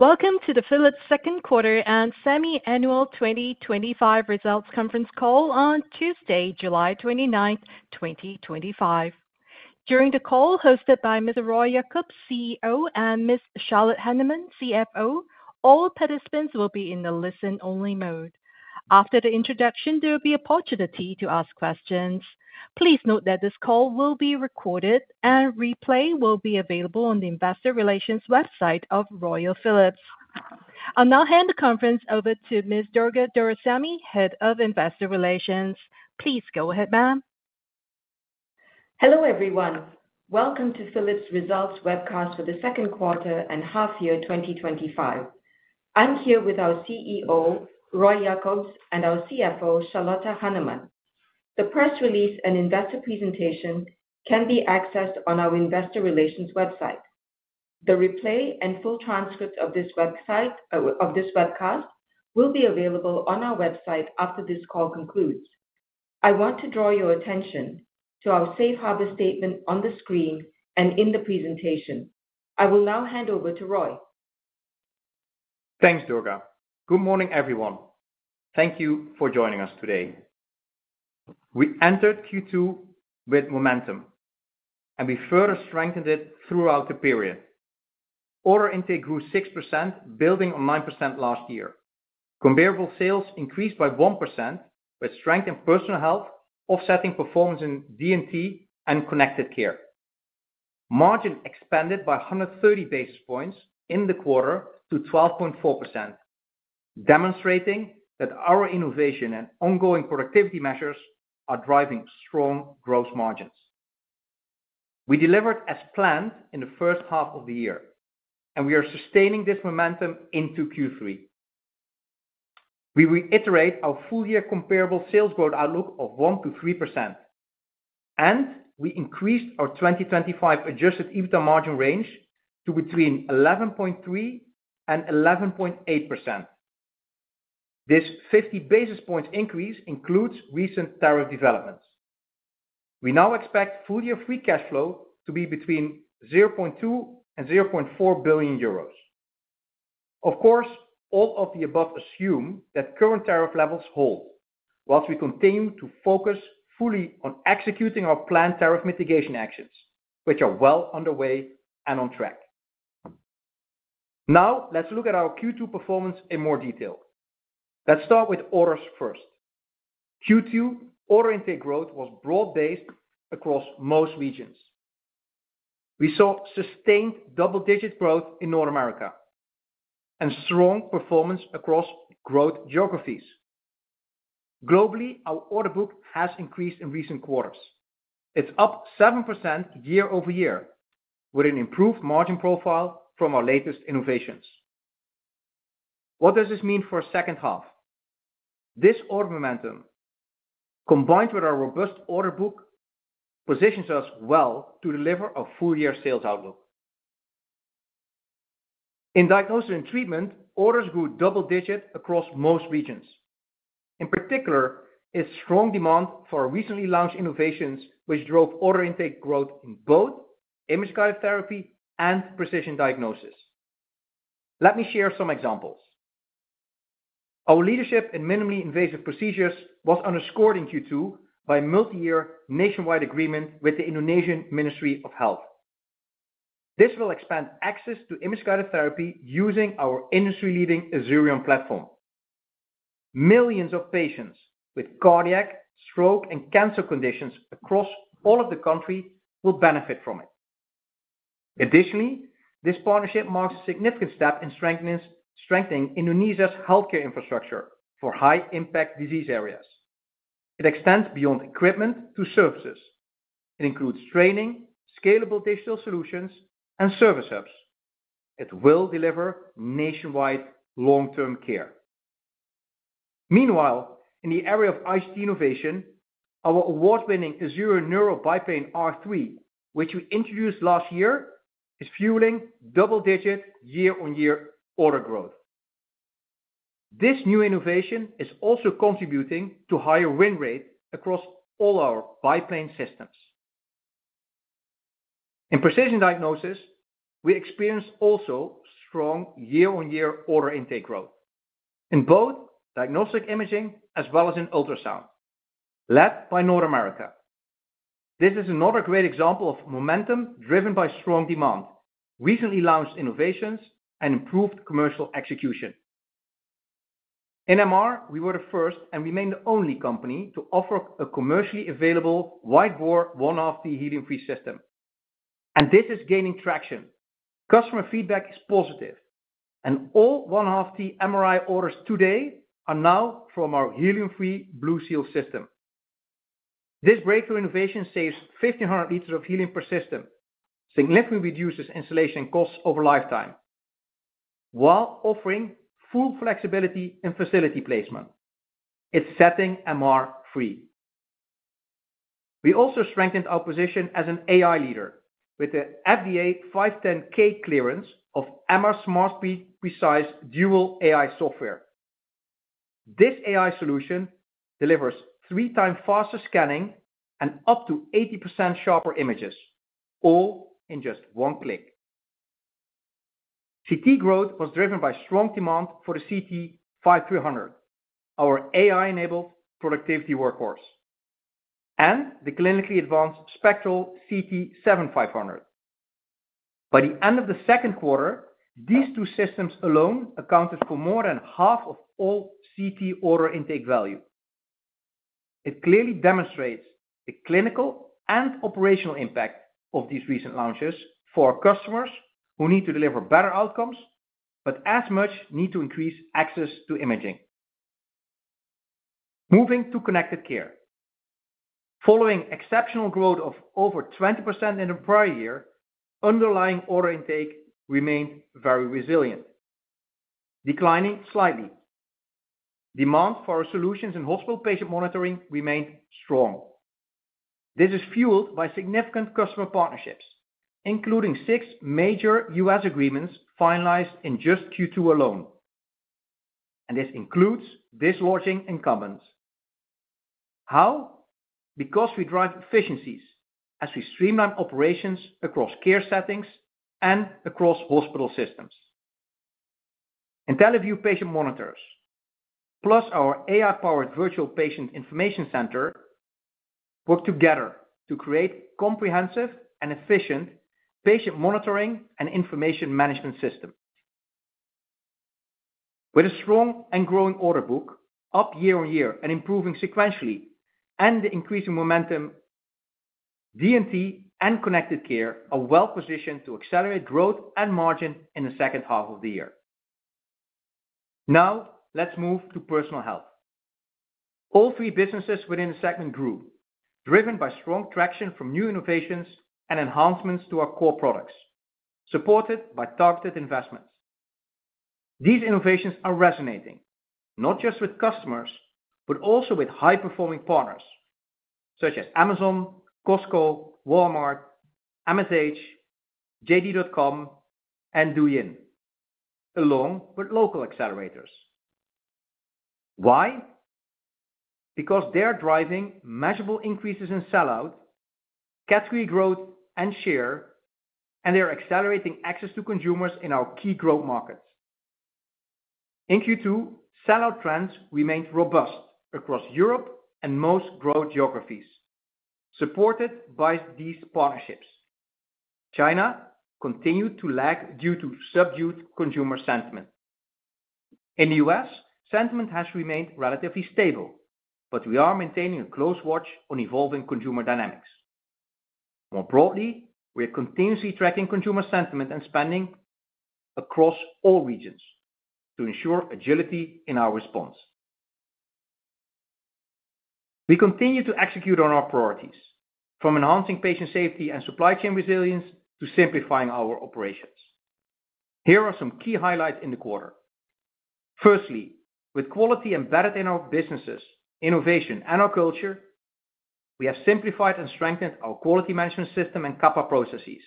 Welcome to the Philips second quarter and semi-annual 2025 results conference call on Tuesday, July 29, 2025. During the call, hosted by Mr. Roy Jakobs, CEO, and Ms. Charlotte Hanneman, CFO, all participants will be in the listen-only mode. After the introduction, there will be an opportunity to ask questions. Please note that this call will be recorded, and a replay will be available on the Investor Relations website of Royal Philips. I'll now hand the conference over to Ms. Durga Doraisamy, Head of Investor Relations. Please go ahead, ma'am. Hello everyone. Welcome to Philips Results Webcast for the Second Quarter and Half-Year 2025. I'm here with our CEO, Roy Jakobs, and our CFO, Charlotte Hanneman. The press release and investor presentation can be accessed on our Investor Relations website. The replay and full transcript of this webcast will be available on our website after this call concludes. I want to draw your attention to our safe harbor statement on the screen and in the presentation. I will now hand over to Roy. Thanks, Durga. Good morning, everyone. Thank you for joining us today. We entered Q2 with momentum, and we further strengthened it throughout the period. Order intake grew 6%, building on 9% last year. Comparable sales increased by 1% with strength in Personal Health, offsetting performance in D&T and Connected Care. Margin expanded by 130 basis points in the quarter to 12.4%, demonstrating that our innovation and ongoing productivity measures are driving strong gross margins. We delivered as planned in the first half of the year, and we are sustaining this momentum into Q3. We reiterate our full-year comparable sales growth outlook of 1%-3%, and we increased our 2025 adjusted EBITDA margin range to between 11.3%-11.8%. This 50 basis points increase includes recent tariff developments. We now expect full-year free cash flow to be between 0.2 billion-0.4 billion euros. Of course, all of the above assume that current tariff levels hold, whilst we continue to focus fully on executing our planned tariff mitigation actions, which are well underway and on track. Now, let's look at our Q2 performance in more detail. Let's start with orders first. Q2 order intake growth was broad-based across most regions. We saw sustained double-digit growth in North America and strong performance across growth geographies. Globally, our order book has increased in recent quarters. It's up 7% year-over-year, with an improved margin profile from our latest innovations. What does this mean for our second half? This order momentum, combined with our robust order book, positions us well to deliver our full-year sales outlook. In Diagnosis & Treatment, orders grew double-digit across most regions. In particular, there is strong demand for our recently launched innovations, which drove order intake growth in both Image-Guided Therapy and Precision Diagnosis. Let me share some examples. Our leadership in minimally invasive procedures was underscored in Q2 by a multi-year nationwide agreement with the Indonesian Ministry of Health. This will expand access to Image-Guided Therapy using our industry-leading Azurion platform. Millions of patients with cardiac, stroke, and cancer conditions across all of the country will benefit from it. Additionally, this partnership marks a significant step in strengthening Indonesia's healthcare infrastructure for high-impact disease areas. It extends beyond equipment to services. It includes training, scalable digital solutions, and service hubs. It will deliver nationwide long-term care. Meanwhile, in the area of Image-Guided Therapy innovation, our award-winning Azurion neuro biplane R3, which we introduced last year, is fueling double-digit year-on-year order growth. This new innovation is also contributing to higher win rates across all our biplane systems. In Precision Diagnosis, we experience also strong year-on-year order intake growth in both diagnostic imaging as well as in ultrasound, led by North America. This is another great example of momentum driven by strong demand, recently launched innovations, and improved commercial execution. In MR, we were the first and remain the only company to offer a commercially available white board 1/2 helium-free system, and this is gaining traction. Customer feedback is positive, and all 1/2 MRI orders today are now from our helium-free BlueSeal system. This breakthrough innovation saves 1,500 liters of helium per system, significantly reducing installation costs over lifetime, while offering full flexibility in facility placement. It is setting MR free. We also strengthened our position as an AI leader with the FDA 510(k) clearance of MR SmartSpeed Precise Dual AI software. This AI solution delivers three times faster scanning and up to 80% sharper images, all in just one click. CT growth was driven by strong demand for the CT 5300, our AI-enabled productivity workhorse, and the clinically advanced Spectral CT 7500. By the end of the second quarter, these two systems alone accounted for more than half of all CT order intake value. It clearly demonstrates the clinical and operational impact of these recent launches for our customers who need to deliver better outcomes but as much need to increase access to imaging. Moving to connected care. Following exceptional growth of over 20% in the prior year, underlying order intake remained very resilient, declining slightly. Demand for our solutions in hospital patient monitoring remained strong. This is fueled by significant customer partnerships, including six major U.S. agreements finalized in just Q2 alone. This includes dislodging incumbents. How? Because we drive efficiencies as we streamline operations across care settings and across hospital systems. IntelliVue Patient Monitors, plus our AI-powered Virtual Patient Information Center, work together to create a comprehensive and efficient patient monitoring and information management system. With a strong and growing order book, up year-on-year and improving sequentially, and the increasing momentum, D&T and connected care are well positioned to accelerate growth and margin in the second half of the year. Now, let's move to personal health. All three businesses within the segment grew, driven by strong traction from new innovations and enhancements to our core products, supported by targeted investments. These innovations are resonating not just with customers, but also with high-performing partners such as Amazon, Costco, Walmart, MSH, JD.com, and Douyin, along with local accelerators. Why? Because they are driving measurable increases in sellout, category growth, and share, and they are accelerating access to consumers in our key growth markets. In Q2, sellout trends remained robust across Europe and most growth geographies, supported by these partnerships. China continued to lag due to subdued consumer sentiment. In the U.S., sentiment has remained relatively stable, but we are maintaining a close watch on evolving consumer dynamics. More broadly, we are continuously tracking consumer sentiment and spending across all regions to ensure agility in our response. We continue to execute on our priorities, from enhancing patient safety and supply chain resilience to simplifying our operations. Here are some key highlights in the quarter. Firstly, with quality embedded in our businesses, innovation, and our culture, we have simplified and strengthened our quality management system and CAPA processes,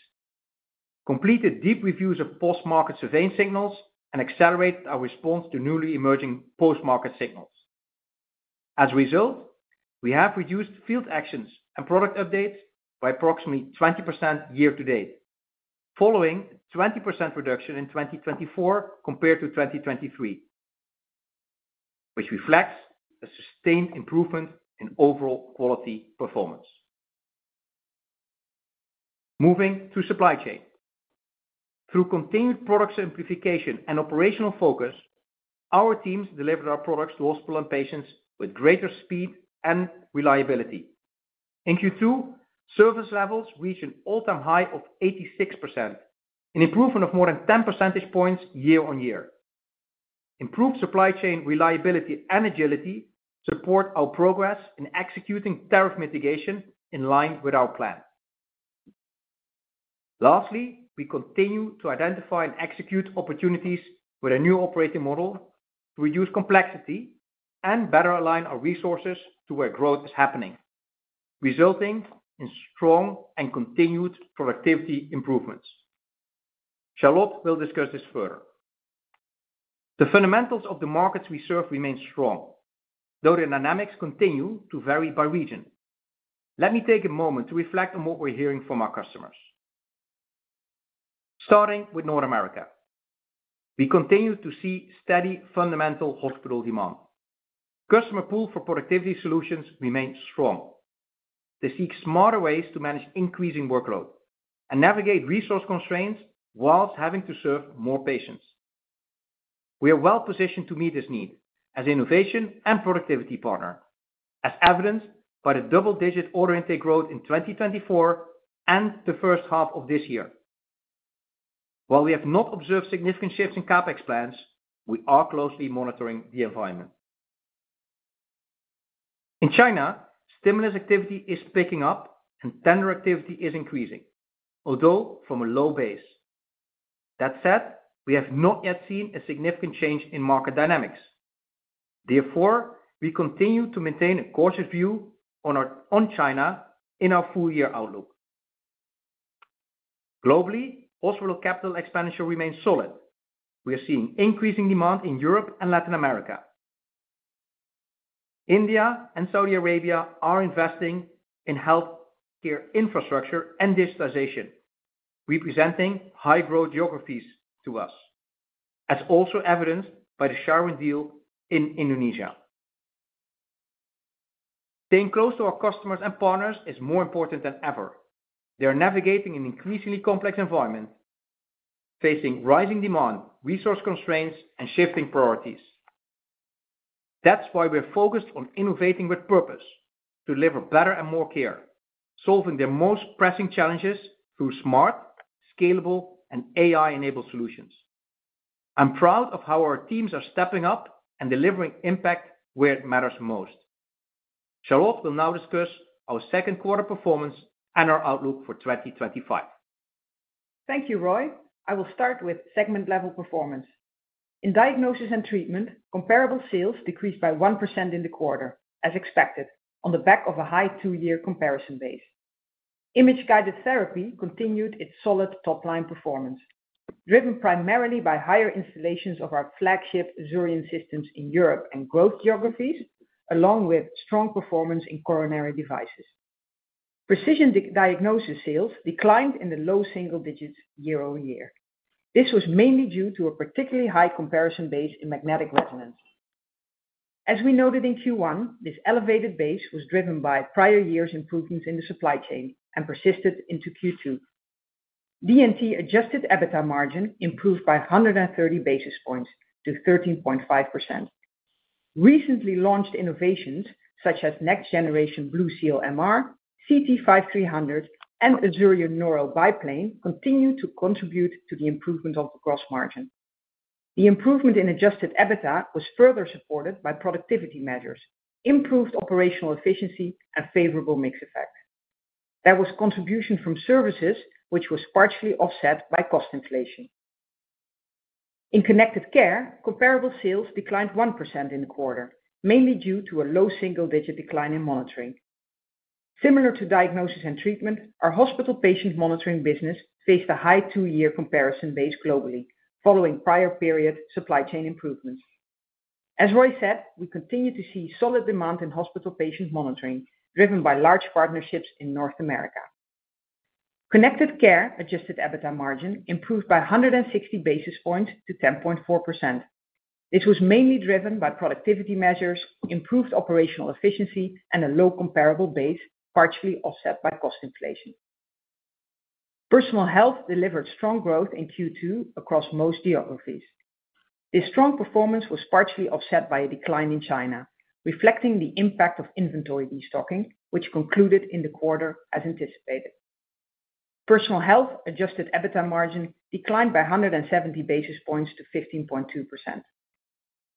completed deep reviews of post-market survey signals, and accelerated our response to newly emerging post-market signals. As a result, we have reduced field actions and product updates by approximately 20% year to date, following a 20% reduction in 2024 compared to 2023. This reflects a sustained improvement in overall quality performance. Moving to supply chain. Through continued product simplification and operational focus, our teams delivered our products to hospitals and patients with greater speed and reliability. In Q2, service levels reached an all-time high of 86%, an improvement of more than 10 percentage points year-on-year. Improved supply chain reliability and agility support our progress in executing tariff mitigation in line with our plan. Lastly, we continue to identify and execute opportunities with a new operating model to reduce complexity and better align our resources to where growth is happening, resulting in strong and continued productivity improvements. Charlotte will discuss this further. The fundamentals of the markets we serve remain strong, though their dynamics continue to vary by region. Let me take a moment to reflect on what we're hearing from our customers. Starting with North America. We continue to see steady fundamental hospital demand. Customer pull for productivity solutions remains strong. They seek smarter ways to manage increasing workload and navigate resource constraints whilst having to serve more patients. We are well positioned to meet this need as an innovation and productivity partner, as evidenced by the double-digit order intake growth in 2024 and the first half of this year. While we have not observed significant shifts in capital expenditure plans, we are closely monitoring the environment. In China, stimulus activity is picking up and tender activity is increasing, although from a low base. That said, we have not yet seen a significant change in market dynamics. Therefore, we continue to maintain a cautious view on China in our full-year outlook. Globally, hospital capital expenditure remains solid. We are seeing increasing demand in Europe and Latin America. India and Saudi Arabia are investing in healthcare infrastructure and digitization, representing high-growth geographies to us, as also evidenced by the Shahram Deal in Indonesia. Staying close to our customers and partners is more important than ever. They are navigating an increasingly complex environment, facing rising demand, resource constraints, and shifting priorities. That is why we're focused on innovating with purpose to deliver better and more care, solving their most pressing challenges through smart, scalable, and AI-enabled solutions. I'm proud of how our teams are stepping up and delivering impact where it matters most. Charlotte will now discuss our second-quarter performance and our outlook for 2025. Thank you, Roy. I will start with segment-level performance. In Diagnosis & Treatment, comparable sales decreased by 1% in the quarter, as expected, on the back of a high two-year comparison base. Image-Guided Therapy continued its solid top-line performance, driven primarily by higher installations of our flagship Azurion systems in Europe and growth geographies, along with strong performance in coronary devices. Precision Diagnosis sales declined in the low single-digits year-over-year. This was mainly due to a particularly high comparison base in magnetic resonance. As we noted in Q1, this elevated base was driven by prior years' improvements in the supply chain and persisted into Q2. D&T adjusted EBITDA margin improved by 130 basis points to 13.5%. Recently launched innovations such as next-generation BlueSeal MR, CT 5300, and Azurion neuro biplane continue to contribute to the improvement of the gross margin. The improvement in adjusted EBITDA was further supported by productivity measures, improved operational efficiency, and favorable mix effect. There was contribution from services, which was partially offset by cost inflation. In Connected Care, comparable sales declined 1% in the quarter, mainly due to a low single-digit decline in monitoring. Similar to Diagnosis & Treatment, our hospital patient monitoring business faced a high two-year comparison base globally, following prior period supply chain improvements. As Roy said, we continue to see solid demand in hospital patient monitoring, driven by large partnerships in North America. Connected Care adjusted EBITDA margin improved by 160 basis points to 10.4%. This was mainly driven by productivity measures, improved operational efficiency, and a low comparable base, partially offset by cost inflation. Personal Health delivered strong growth in Q2 across most geographies. This strong performance was partially offset by a decline in China, reflecting the impact of inventory restocking, which concluded in the quarter as anticipated. Personal Health adjusted EBITDA margin declined by 170 basis points to 15.2%.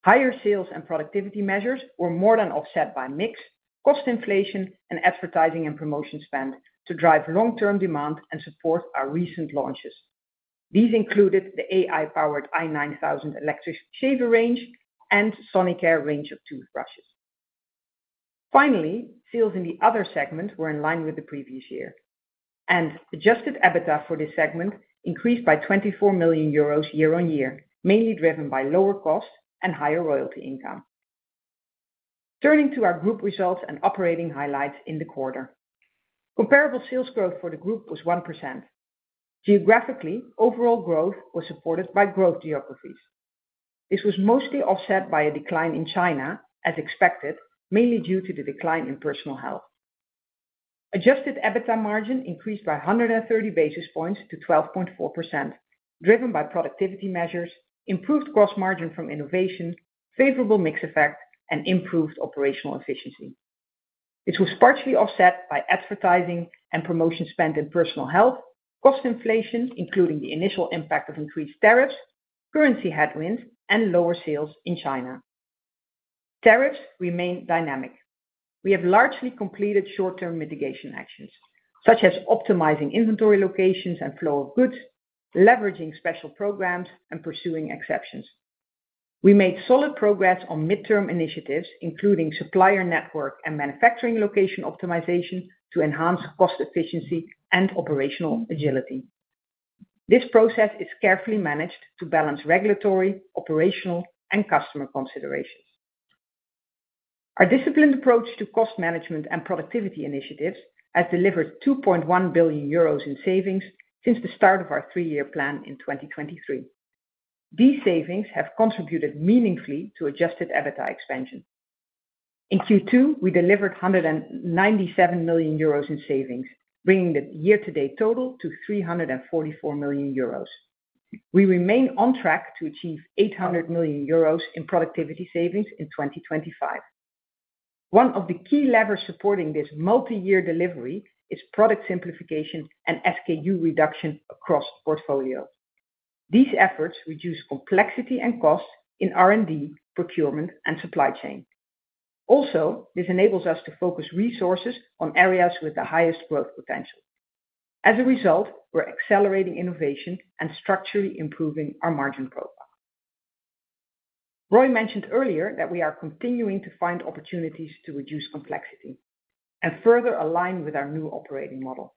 Higher sales and productivity measures were more than offset by mix, cost inflation, and advertising and promotion spend to drive long-term demand and support our recent launches. These included the AI-powered i9000 electric shaver range and Sonicare range of toothbrushes. Finally, sales in the Other segment were in line with the previous year, and adjusted EBITDA for this segment increased by 24 million euros year-on-year, mainly driven by lower cost and higher royalty income. Turning to our group results and operating highlights in the quarter, comparable sales growth for the group was 1%. Geographically, overall growth was supported by growth geographies. This was mostly offset by a decline in China, as expected, mainly due to the decline in Personal Health. Adjusted EBITDA margin increased by 130 basis points to 12.4%, driven by productivity measures, improved gross margin from innovation, favorable mix effect, and improved operational efficiency. This was partially offset by advertising and promotion spend in Personal Health, cost inflation, including the initial impact of increased tariffs, currency headwinds, and lower sales in China. Tariffs remain dynamic. We have largely completed short-term mitigation actions, such as optimizing inventory locations and flow of goods, leveraging special programs, and pursuing exceptions. We made solid progress on midterm initiatives, including supplier network and manufacturing location optimization to enhance cost efficiency and operational agility. This process is carefully managed to balance regulatory, operational, and customer considerations. Our disciplined approach to cost management and productivity initiatives has delivered 2.1 billion euros in savings since the start of our three-year plan in 2023. These savings have contributed meaningfully to adjusted EBITDA expansion. In Q2, we delivered 197 million euros in savings, bringing the year-to-date total to 344 million euros. We remain on track to achieve 800 million euros in productivity savings in 2025. One of the key levers supporting this multi-year delivery is product simplification and SKU reduction across portfolios. These efforts reduce complexity and cost in R&D, procurement, and supply chain. Also, this enables us to focus resources on areas with the highest growth potential. As a result, we're accelerating innovation and structurally improving our margin profile. Roy mentioned earlier that we are continuing to find opportunities to reduce complexity and further align with our new operating model.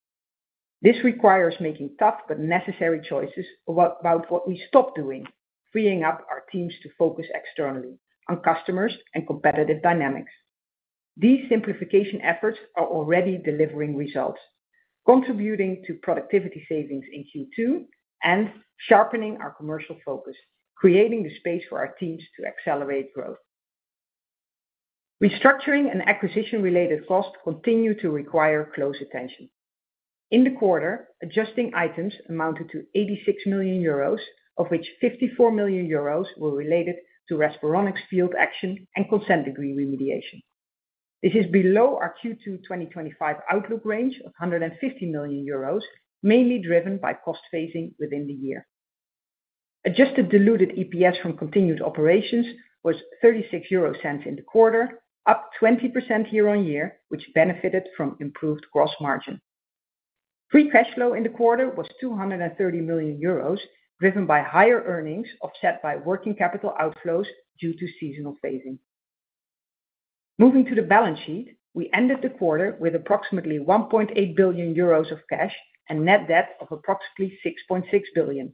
This requires making tough but necessary choices about what we stop doing, freeing up our teams to focus externally on customers and competitive dynamics. These simplification efforts are already delivering results, contributing to productivity savings in Q2 and sharpening our commercial focus, creating the space for our teams to accelerate growth. Restructuring and acquisition-related costs continue to require close attention. In the quarter, adjusting items amounted to 86 million euros, of which 54 million euros were related to Respironics field action and consent agreement remediation. This is below our Q2 2025 outlook range of 150 million euros, mainly driven by cost phasing within the year. Adjusted diluted EPS from continued operations was 0.36 in the quarter, up 20% year-on-year, which benefited from improved gross margin. Free cash flow in the quarter was 230 million euros, driven by higher earnings offset by working capital outflows due to seasonal phasing. Moving to the balance sheet, we ended the quarter with approximately 1.8 billion euros of cash and net debt of approximately 6.6 billion.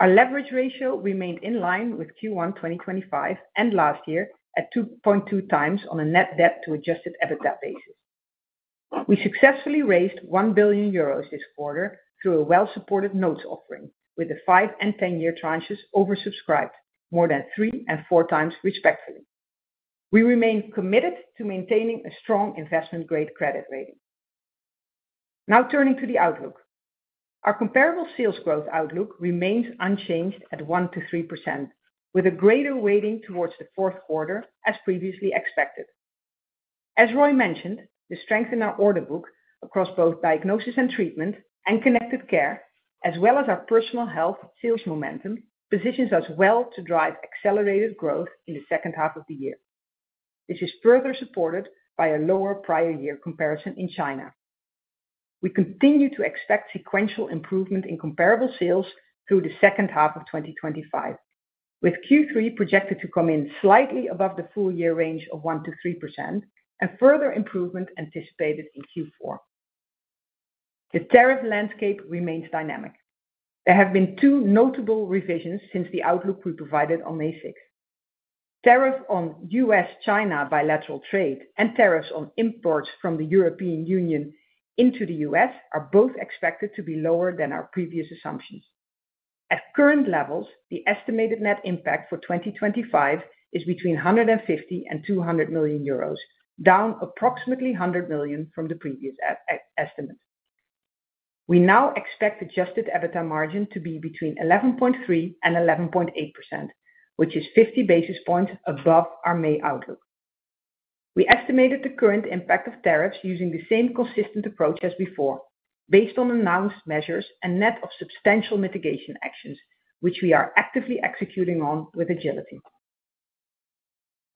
Our leverage ratio remained in line with Q1 2025 and last year at 2.2x on a net debt-to-adjusted EBITDA basis. We successfully raised 1 billion euros this quarter through a well-supported notes offering, with the five and ten year tranches oversubscribed, more than three and four times respectively. We remain committed to maintaining a strong investment-grade credit rating. Now turning to the outlook, our comparable sales growth outlook remains unchanged at 1%-3%, with a greater weighting towards the fourth quarter, as previously expected. As Roy mentioned, the strength in our order book across both Diagnosis & Treatment and Connected Care, as well as our Personal Health sales momentum, positions us well to drive accelerated growth in the second half of the year. This is further supported by a lower prior-year comparison in China. We continue to expect sequential improvement in comparable sales through the second half of 2025, with Q3 projected to come in slightly above the full-year range of 1%-3% and further improvement anticipated in Q4. The tariff landscape remains dynamic. There have been two notable revisions since the outlook we provided on May 6. Tariffs on U.S.-China bilateral trade and tariffs on imports from the European Union into the U.S. are both expected to be lower than our previous assumptions. At current levels, the estimated net impact for 2025 is between 150 million and 200 million euros, down approximately 100 million from the previous estimate. We now expect adjusted EBITDA margin to be between 11.3% and 11.8%, which is 50 basis points above our May outlook. We estimated the current impact of tariffs using the same consistent approach as before, based on announced measures and a net of substantial mitigation actions, which we are actively executing on with agility.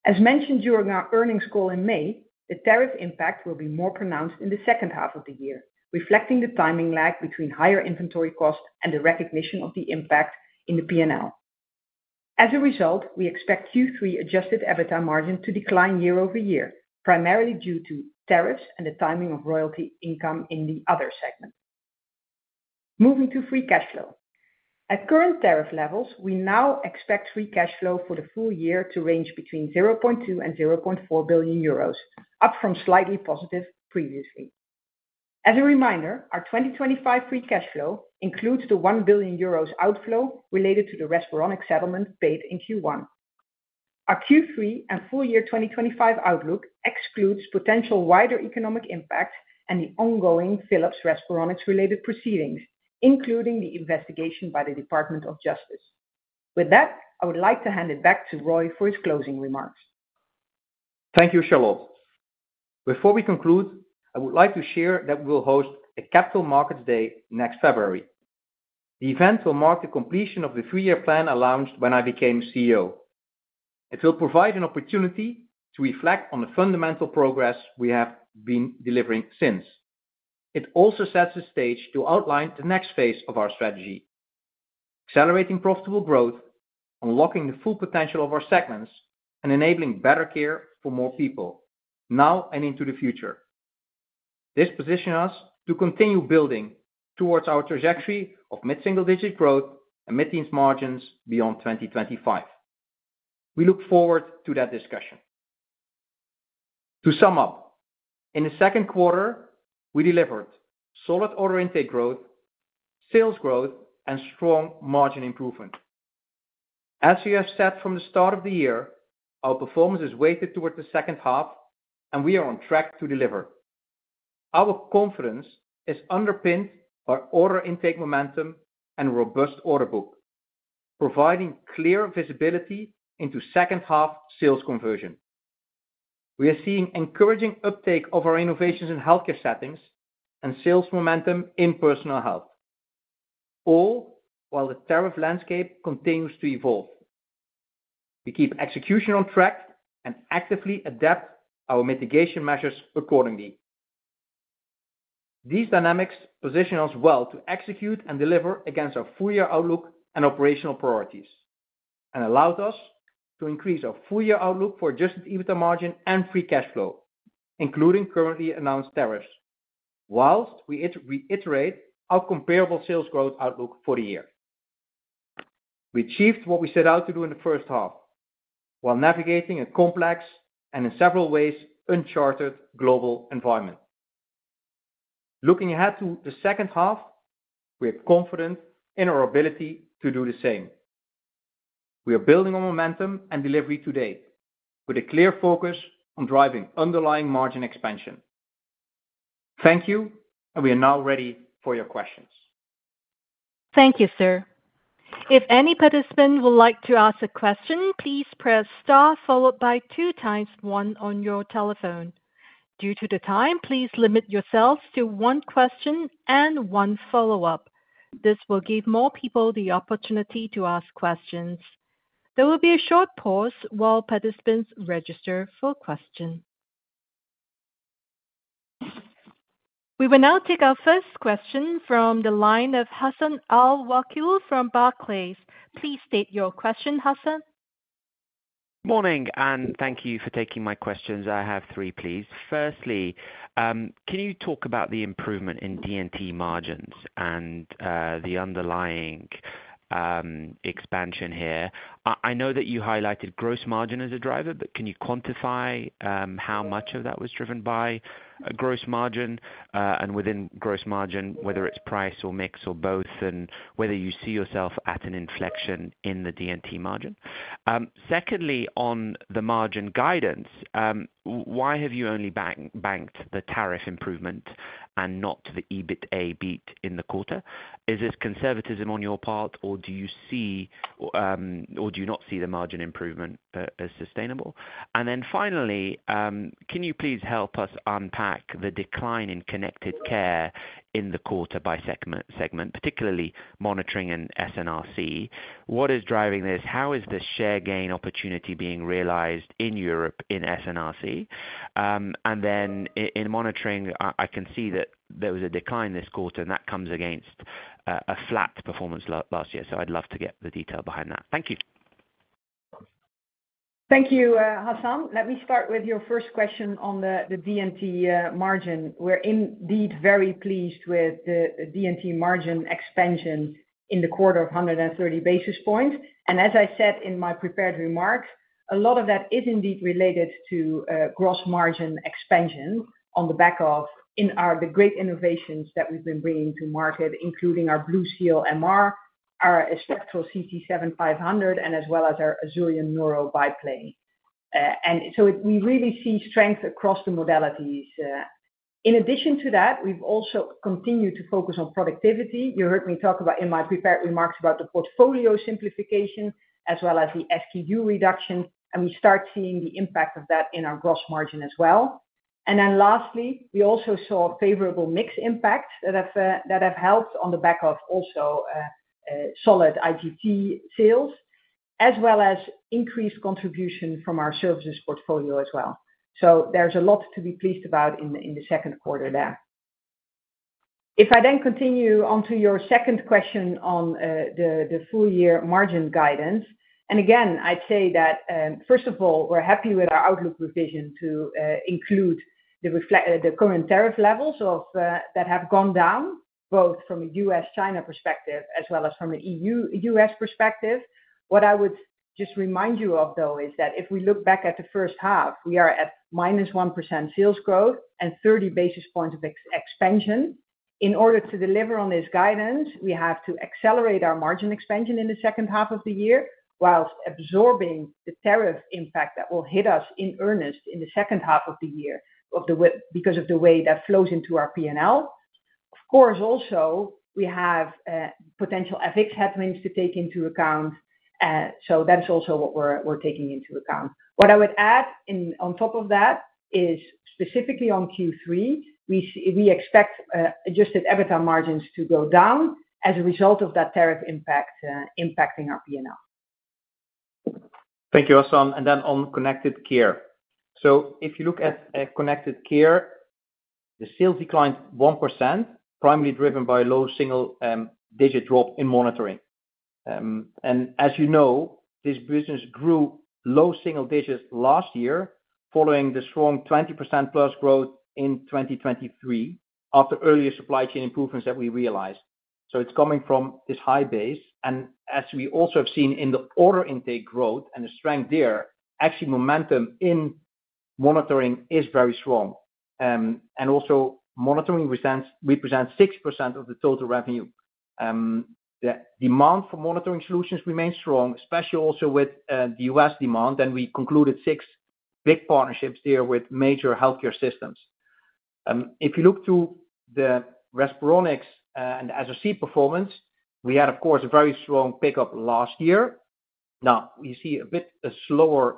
As mentioned during our earnings call in May, the tariff impact will be more pronounced in the second half of the year, reflecting the timing lag between higher inventory costs and the recognition of the impact in the P&L. As a result, we expect Q3 adjusted EBITDA margin to decline year-over-year, primarily due to tariffs and the timing of royalty income in the other segment. Moving to free cash flow. At current tariff levels, we now expect free cash flow for the full year to range between 0.2 billion and 0.4 billion euros, up from slightly positive previously. As a reminder, our 2025 free cash flow includes the 1 billion euros outflow related to the Respironics settlement paid in Q1. Our Q3 and full-year 2025 outlook excludes potential wider economic impact and the ongoing Philips Respironics-related proceedings, including the investigation by the U.S. Department of Justice. With that, I would like to hand it back to Roy for his closing remarks. Thank you, Charlotte. Before we conclude, I would like to share that we will host a Capital Markets Day next February. The event will mark the completion of the three-year plan I launched when I became CEO. It will provide an opportunity to reflect on the fundamental progress we have been delivering since. It also sets the stage to outline the next phase of our strategy. Accelerating profitable growth, unlocking the full potential of our segments, and enabling better care for more people. Now and into the future. This positions us to continue building towards our trajectory of mid-single-digit growth and mid-teens margins beyond 2025. We look forward to that discussion. To sum up, in the second quarter, we delivered solid order intake growth, sales growth, and strong margin improvement. As we have said from the start of the year, our performance is weighted towards the second half, and we are on track to deliver. Our confidence is underpinned by order intake momentum and robust order book, providing clear visibility into second-half sales conversion. We are seeing encouraging uptake of our innovations in healthcare settings and sales momentum in personal health. All while the tariff landscape continues to evolve. We keep execution on track and actively adapt our mitigation measures accordingly. These dynamics position us well to execute and deliver against our full-year outlook and operational priorities, and allowed us to increase our full-year outlook for adjusted EBITDA margin and free cash flow, including currently announced tariffs, whilst we reiterate our comparable sales growth outlook for the year. We achieved what we set out to do in the first half while navigating a complex and, in several ways, uncharted global environment. Looking ahead to the second half, we are confident in our ability to do the same. We are building on momentum and delivery today, with a clear focus on driving underlying margin expansion. Thank you, and we are now ready for your questions. Thank you, sir. If any participant would like to ask a question, please press star followed by two times one on your telephone. Due to the time, please limit yourselves to one question and one follow-up. This will give more people the opportunity to ask questions. There will be a short pause while participants register for questions. We will now take our first question from the line of Hassan Al-Wakeel from Barclays. Please state your question, Hassan. Good morning, and thank you for taking my questions. I have three, please. Firstly, can you talk about the improvement in D&T margins and the underlying expansion here? I know that you highlighted gross margin as a driver, but can you quantify how much of that was driven by gross margin and within gross margin, whether it's price or mix or both, and whether you see yourself at an inflection in the D&T margin? Secondly, on the margin guidance. Why have you only banked the tariff improvement and not the EBITDA beat in the quarter? Is this conservatism on your part, or do you see, or do you not see the margin improvement as sustainable? And then finally, can you please help us unpack the decline in Connected Care in the quarter by segment, particularly monitoring and SNRC? What is driving this? How is the share gain opportunity being realized in Europe in SNRC? And then in monitoring, I can see that there was a decline this quarter, and that comes against a flat performance last year. I'd love to get the detail behind that. Thank you. Thank you, Hassan. Let me start with your first question on the D&T margin. We're indeed very pleased with the D&T margin expansion in the quarter of 130 basis points. As I said in my prepared remarks, a lot of that is indeed related to gross margin expansion on the back of the great innovations that we've been bringing to market, including our BlueSeal MR, our Spectral CT 7500, and as well as our Azurion neuro biplane. We really see strength across the modalities. In addition to that, we've also continued to focus on productivity. You heard me talk about in my prepared remarks about the portfolio simplification as well as the SKU reduction, and we start seeing the impact of that in our gross margin as well. Lastly, we also saw favorable mix impacts that have helped on the back of also solid IGT sales, as well as increased contribution from our services portfolio as well. There is a lot to be pleased about in the second quarter there. If I then continue on to your second question on the full-year margin guidance, again, I'd say that, first of all, we're happy with our outlook revision to include the current tariff levels that have gone down, both from a U.S.-China perspective as well as from an EU-U.S. perspective. What I would just remind you of, though, is that if we look back at the first half, we are at minus 1% sales growth and 30 basis points of expansion. In order to deliver on this guidance, we have to accelerate our margin expansion in the second half of the year whilst absorbing the tariff impact that will hit us in earnest in the second half of the year because of the way that flows into our P&L. Of course, also, we have potential FX headwinds to take into account. That is also what we're taking into account. What I would add on top of that is, specifically on Q3, we expect adjusted EBITDA margins to go down as a result of that tariff impact impacting our P&L. Thank you, Hassan. On connected care, if you look at connected care, the sales declined 1%, primarily driven by a low single-digit drop in monitoring. As you know, this business grew low single-digits last year following the strong 20% plus growth in 2023 after earlier supply chain improvements that we realized. It is coming from this high base. As we also have seen in the order intake growth and the strength there, actually momentum in monitoring is very strong. Also, monitoring represents 6% of the total revenue. The demand for monitoring solutions remains strong, especially also with the U.S. demand. We concluded six big partnerships there with major healthcare systems. If you look to the Respironics and the SRC performance, we had, of course, a very strong pickup last year. Now, we see a bit slower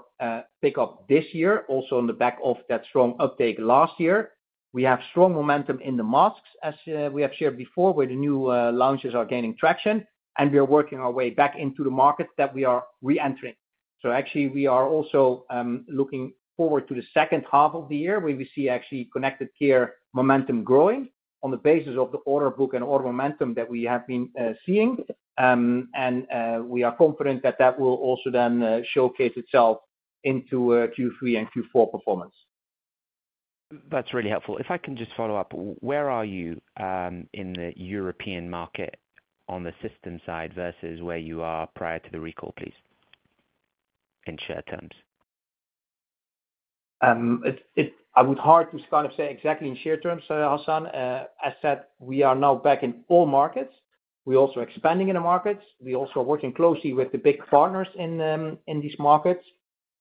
pickup this year, also on the back of that strong uptake last year. We have strong momentum in the masks, as we have shared before, where the new launches are gaining traction, and we are working our way back into the market that we are re-entry. Actually, we are also looking forward to the second half of the year where we see actually connected care momentum growing on the basis of the order book and order momentum that we have been seeing. We are confident that that will also then showcase itself into Q3 and Q4 performance. That's really helpful. If I can just follow up, where are you in the European market on the system side versus where you are prior to the recall, please? In share terms. I would hardly kind of say exactly in share terms, Hassan. As said, we are now back in all markets. We're also expanding in the markets. We also are working closely with the big partners in these markets.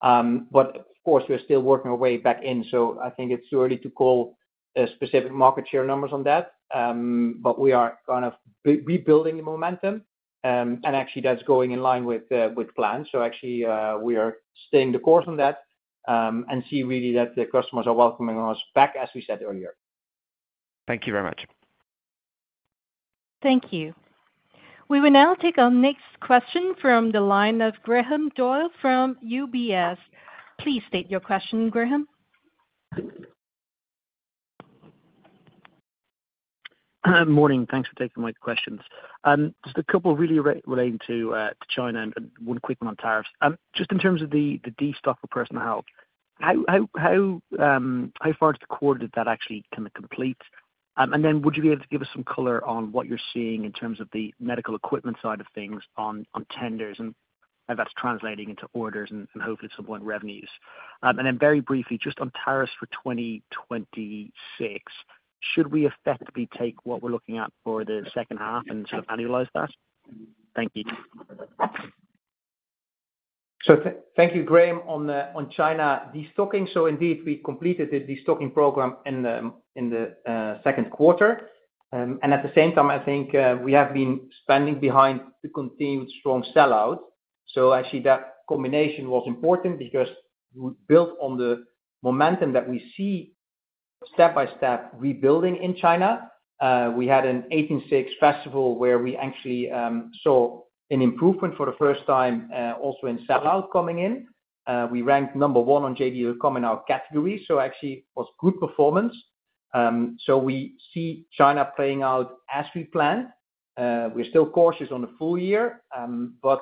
Of course, we're still working our way back in. I think it's too early to call specific market share numbers on that. We are kind of rebuilding the momentum. Actually, that's going in line with plan. We are staying the course on that. I see really that the customers are welcoming us back, as we said earlier. Thank you very much. Thank you. We will now take our next question from the line of Graham Doyle from UBS. Please state your question, Graham. Morning. Thanks for taking my questions. Just a couple really relating to China and one quick one on tariffs. Just in terms of the destock for personal health. How far to the quarter did that actually kind of complete? Would you be able to give us some color on what you're seeing in terms of the medical equipment side of things on tenders and how that's translating into orders and hopefully at some point revenues? Very briefly, just on tariffs for 2026, should we effectively take what we're looking at for the second half and sort of annualize that? Thank you. Thank you, Graham, on China destocking. Indeed, we completed the destocking program in the second quarter. At the same time, I think we have been spending behind the continued strong sellout. That combination was important because we built on the momentum that we see. Step-by-step rebuilding in China. We had an 18/6 festival where we actually saw an improvement for the first time also in sellout coming in. We ranked number one on JD.com in our category. It was good performance. We see China playing out as we planned. We're still cautious on the full year, but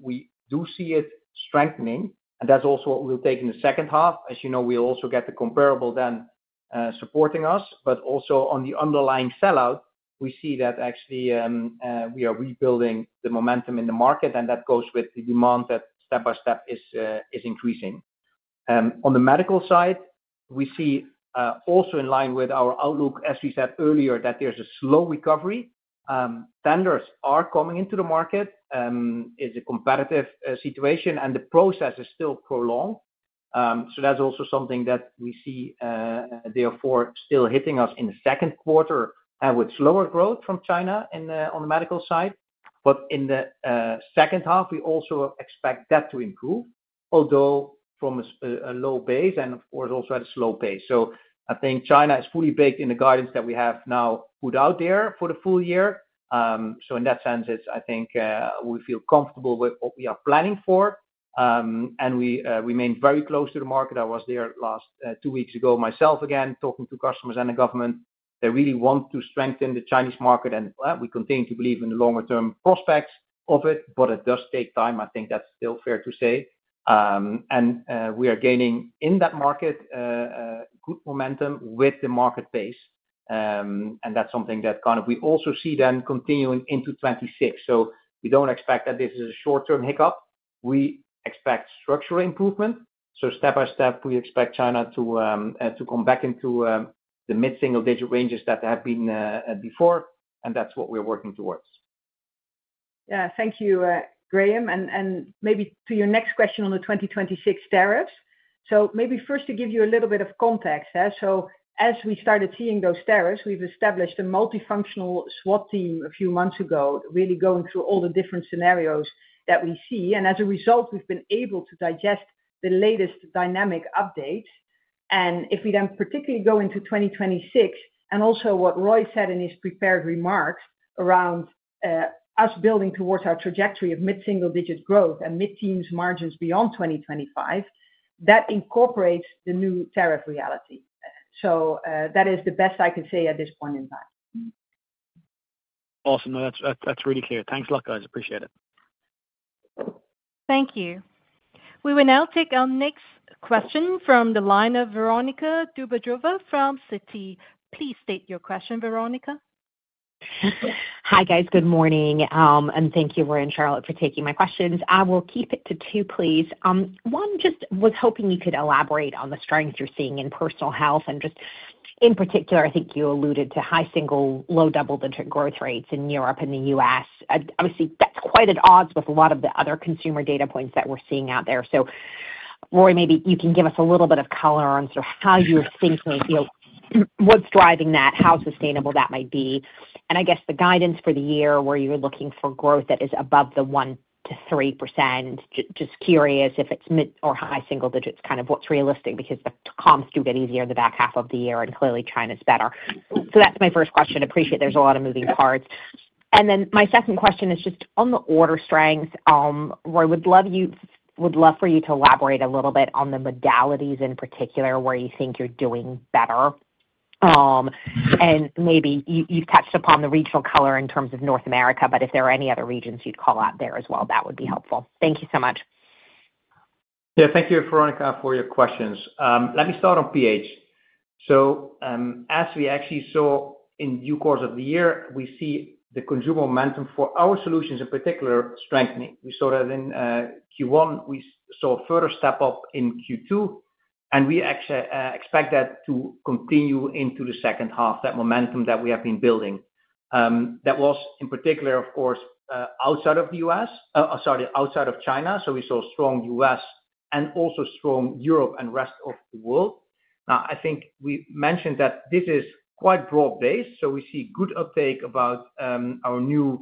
we do see it strengthening. That's also what we'll take in the second half. As you know, we also get the comparable then supporting us. Also on the underlying sellout, we see that actually we are rebuilding the momentum in the market, and that goes with the demand that step-by-step is increasing. On the medical side, we see also in line with our outlook, as we said earlier, that there's a slow recovery. Tenders are coming into the market. It's a competitive situation, and the process is still prolonged. That's also something that we see. Therefore still hitting us in the second quarter and with slower growth from China on the medical side. But in the second half, we also expect that to improve, although from a low base and, of course, also at a slow pace. I think China is fully baked in the guidance that we have now put out there for the full year. In that sense, I think we feel comfortable with what we are planning for. We remain very close to the market. I was there two weeks ago myself again, talking to customers and the government. They really want to strengthen the Chinese market, and we continue to believe in the longer-term prospects of it, but it does take time. I think that's still fair to say. We are gaining in that market. Good momentum with the market base. That is something that we also see then continuing into 2026. We do not expect that this is a short-term hiccup. We expect structural improvement. Step-by-step, we expect China to come back into the mid-single-digit ranges that have been before, and that's what we're working towards. Yeah, thank you, Graham. Maybe to your next question on the 2026 tariffs. Maybe first to give you a little bit of context. As we started seeing those tariffs, we've established a multifunctional SWOT team a few months ago, really going through all the different scenarios that we see. As a result, we've been able to digest the latest dynamic updates. If we then particularly go into 2026 and also what Roy said in his prepared remarks around us building towards our trajectory of mid-single-digit growth and mid-teens margins beyond 2025, that incorporates the new tariff reality. That is the best I can say at this point in time. Awesome. That's really clear. Thanks a lot, guys. Appreciate it. Thank you. We will now take our next question from the line of Veronika Dubajova from Citi. Please state your question, Veronica. Hi, guys. Good morning. Thank you, Roy and Charlotte, for taking my questions. I will keep it to two, please. One, just was hoping you could elaborate on the strength you're seeing in personal health. In particular, I think you alluded to high single, low double-digit growth rates in Europe and the United States. Obviously, that's quite at odds with a lot of the other consumer data points that we're seeing out there. Roy, maybe you can give us a little bit of color on sort of how you're thinking, what's driving that, how sustainable that might be. I guess the guidance for the year where you're looking for growth that is above the 1%-3%, just curious if it's mid or high single-digits, kind of what's realistic because the comps do get easier in the back half of the year, and clearly China's better. That's my first question. Appreciate there's a lot of moving parts. Then my second question is just on the order strength. Roy, I would love for you to elaborate a little bit on the modalities in particular where you think you're doing better. Maybe you've touched upon the regional color in terms of North America, but if there are any other regions you'd call out there as well, that would be helpful. Thank you so much. Thank you, Veronica, for your questions. Let me start on pH. As we actually saw in due course of the year, we see the consumer momentum for our solutions in particular strengthening. We saw that in Q1. We saw a further step up in Q2. We actually expect that to continue into the second half, that momentum that we have been building. That was, in particular, of course, outside of China. We saw strong US and also strong Europe and rest of the world. I think we mentioned that this is quite broad-based. We see good uptake about our new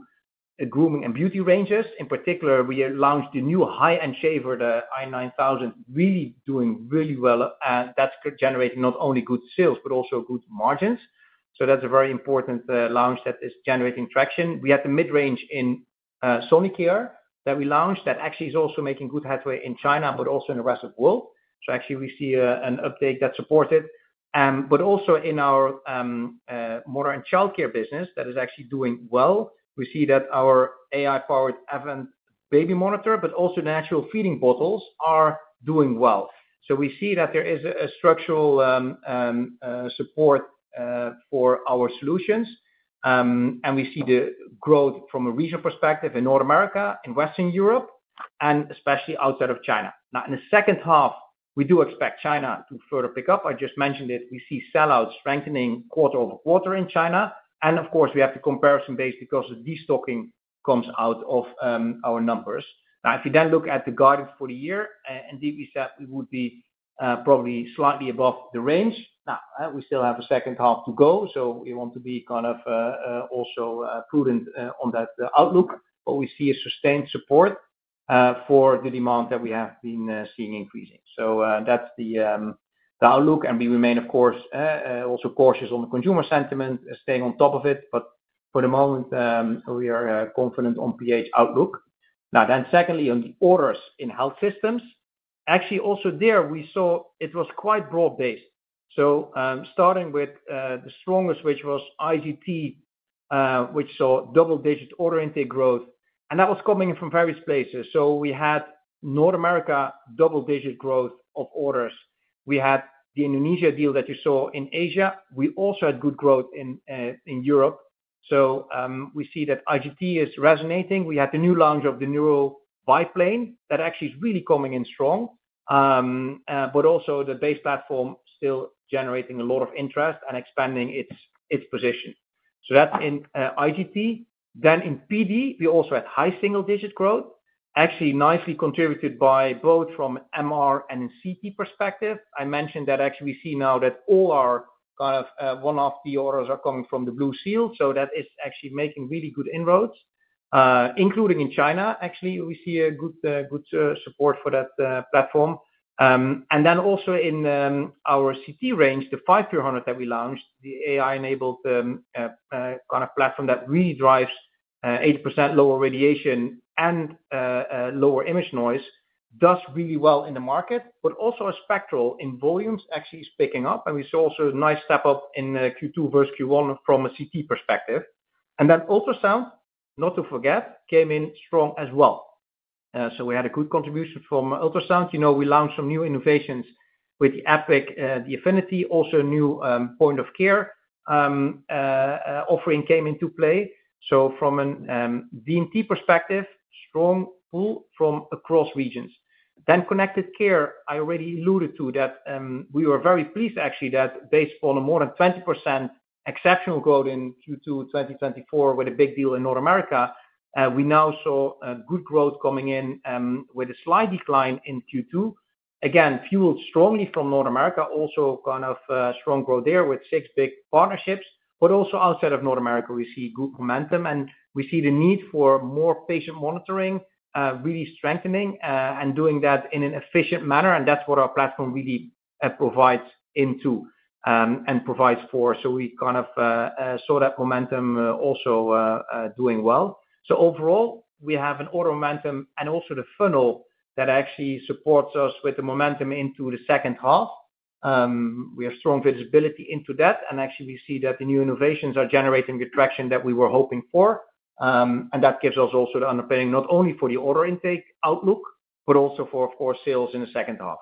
grooming and beauty ranges. In particular, we launched the new high-end shaver, the i9000, really doing really well. That's generating not only good sales but also good margins. That's a very important launch that is generating traction. We had the mid-range in Sonicare that we launched that actually is also making good headway in China, but also in the rest of the world. We see an uptake that supports it. Also in our mother and childcare business that is actually doing well. We see that our AI-powered Avent baby monitor, but also natural feeding bottles are doing well. We see that there is a structural support for our solutions. We see the growth from a regional perspective in North America, in Western Europe, and especially outside of China. In the second half, we do expect China to further pick up. I just mentioned it. We see sellout strengthening quarter-over-quarter in China. Of course, we have to compare some base because of destocking comes out of our numbers. If you then look at the guidance for the year, indeed, we said we would be probably slightly above the range. We still have a second half to go, so we want to be kind of also prudent on that outlook. We see a sustained support for the demand that we have been seeing increasing. That's the outlook. We remain, of course, also cautious on the consumer sentiment, staying on top of it. For the moment, we are confident on pH outlook. Secondly, on the orders in health systems, actually also there we saw it was quite broad-based. Starting with the strongest, which was IGT, which saw double-digit order intake growth. That was coming from various places. We had North America double-digit growth of orders. We had the Indonesia deal that you saw in Asia. We also had good growth in Europe. We see that IGT is resonating. We had the new launch of the neuro biplane that actually is really coming in strong. Also, the base platform is still generating a lot of interest and expanding its position. That is in IGT. Then in PD, we also had high single-digit growth, actually nicely contributed by both from MR and CT perspective. I mentioned that actually we see now that all our kind of one-off PRs are coming from the BlueSeal. That is actually making really good inroads. Including in China, actually, we see good support for that platform. Also in our CT range, the 5300 that we launched, the AI-enabled kind of platform that really drives 80% lower radiation and lower image noise, does really well in the market. Also, a spectral in volumes actually is picking up. We saw also a nice step up in Q2 versus Q1 from a CT perspective. Ultrasound, not to forget, came in strong as well. We had a good contribution from ultrasound. We launched some new innovations with the EPIQ, the Affiniti, also a new point of care offering came into play. From a D&T perspective, strong pull from across regions. Connected care, I already alluded to that we were very pleased actually that based on a more than 20% exceptional growth in Q2 2024 with a big deal in North America, we now saw good growth coming in with a slight decline in Q2. Again, fueled strongly from North America, also kind of strong growth there with six big partnerships. Also outside of North America, we see good momentum. We see the need for more patient monitoring really strengthening and doing that in an efficient manner. That is what our platform really provides into and provides for. We kind of saw that momentum also doing well. Overall, we have an auto momentum and also the funnel that actually supports us with the momentum into the second half. We have strong visibility into that. Actually, we see that the new innovations are generating the traction that we were hoping for. That gives us also the underpinning not only for the order intake outlook, but also for, of course, sales in the second half.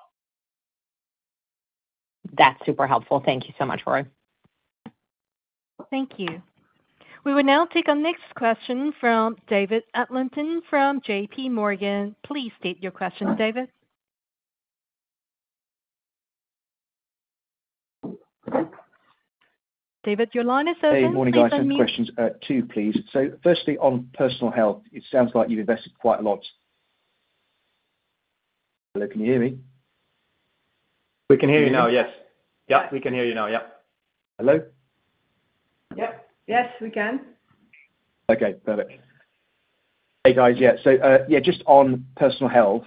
That is super helpful. Thank you so much, Roy. Thank you. We will now take our next question from David Adlington from JPMorgan. Please state your question, David. David, your line is open. Hey, good morning, guys. Questions two, please. Firstly, on personal health, it sounds like you have invested quite a lot. Hello, can you hear me? We can hear you now, yes. Yep, we can hear you now, yep. Hello? Yep. Yes, we can. Okay, perfect. Hey, guys. Yeah. Just on personal health.